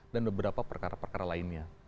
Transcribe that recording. dan beberapa perkara perkara lainnya